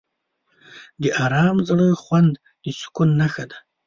د آرام زړه خوند د سکون نښه ده.